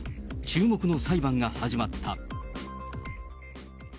注目の裁判が始まった。